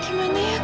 aduh gimana ya kak